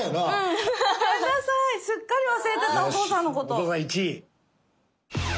お父さん１位。